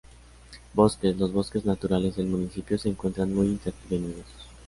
Bosques: Los bosques naturales del municipio se encuentran muy intervenidos.